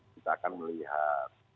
kita akan melihat